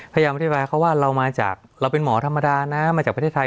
พยายามอธิบายเขาว่าเรามาจากเราเป็นหมอธรรมดานะมาจากประเทศไทย